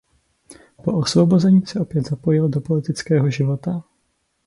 Po osvobození se opět zapojil do politického života.